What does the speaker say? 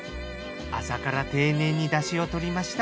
朝から丁寧にだしをとりました。